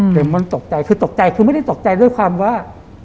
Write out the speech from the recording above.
แต่มันตกใจคือตกใจคือไม่ได้ตกใจด้วยความว่า